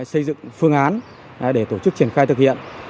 xây dựng phương án để tổ chức triển khai thực hiện